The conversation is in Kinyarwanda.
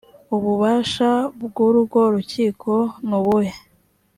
ububasha bw urwo rukiko nubuhe